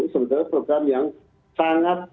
sebetulnya program yang sangat